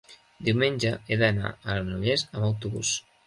diumenge he d'anar a Granollers amb autobús.